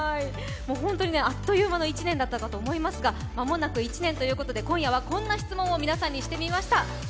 本当にあっという間の１年だったかと思いますが間もなく１年ということで、今夜はこんな質問をしてみます。